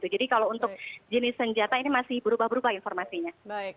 jadi kalau untuk jenis senjata ini masih berubah berubah informasinya